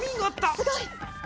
すごい！